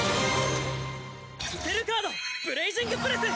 スペルカードブレイジングブレス！